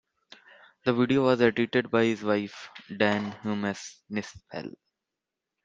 The video was edited by his wife, Dyan Humes-Nispel.